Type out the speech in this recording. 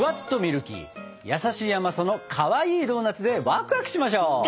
優しい甘さのかわいいドーナツでワクワクしましょ！